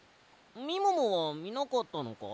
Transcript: みももはみなかったのか？